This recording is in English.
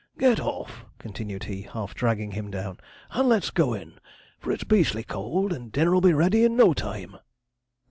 'Get off!' continued he, half dragging him down, 'and let's go in; for it's beastly cold, and dinner'll be ready in no time!'